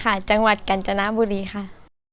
ค่ะบุรีค่ะจังหวัดกัญจนบุรีค่ะ